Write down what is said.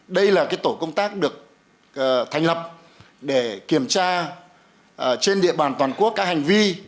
đây là tổ công tác được thành lập để kiểm tra trên địa bàn toàn quốc các hành vi